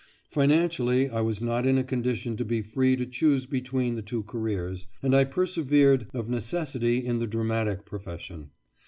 Financially, I was not in a condition to be free to choose between the two careers, and I persevered of necessity in the dramatic profession.